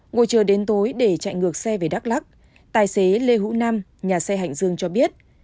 ngồi chờ đến tối để chạy ngược xe về đắk lắc tài xế lê hữu nam nhà xe hạnh dương cho biết